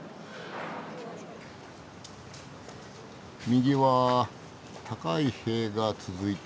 右は高い塀が続いてる。